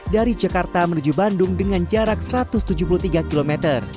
dari jakarta menuju bandung dengan jarak satu ratus tujuh puluh tiga km